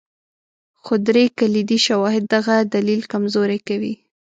خو درې کلیدي شواهد دغه دلیل کمزوری کوي.